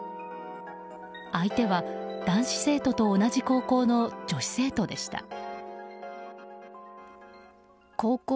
相手は、男子生徒と同じ高校の女性生徒でした。